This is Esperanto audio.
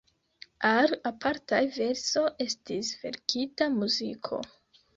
Al apartaj verso estis verkita muziko.